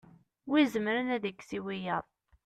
wi izemren ad ikkes i wiyaḍ